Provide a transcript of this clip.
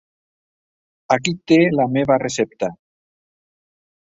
Aquí té la meva recepta.